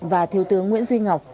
và thiếu tướng nguyễn duy ngọc